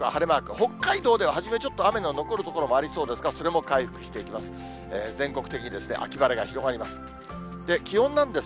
北海道では初めちょっと雨の残る所もありそうですが、それも回復していきます。